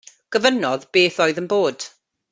Gofynnodd beth oedd yn bod.